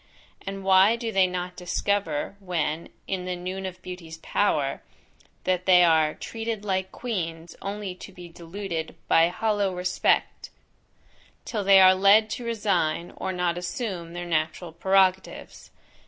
And why do they not discover, when "in the noon of beauty's power," that they are treated like queens only to be deluded by hollow respect, till they are led to resign, or not assume, their natural prerogatives?